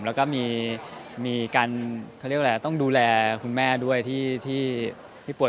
แล้วก็มีการต้องดูแลคุณแม่ด้วยที่พี่ป่วย